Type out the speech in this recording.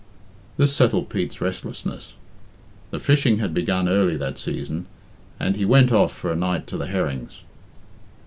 This settled Pete's restlessness. The fishing had begun early that season, and he went off for a night to the herrings.